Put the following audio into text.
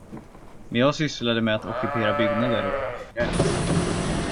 Men jag sysslade med att ockupera byggnader och röka gräs